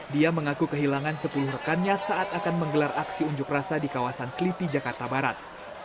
dia mengaku kehilangan sepuluh rekannya saat akan menggelar aksi unjuk rasa di kawasan selipi jakarta barat